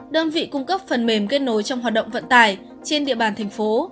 đơn vị cung cấp phần mềm kết nối trong hoạt động vận tải trên địa bàn thành phố